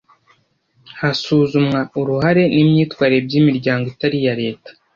hasuzumwa uruhare n imyitwarire by imiryango itari iya Leta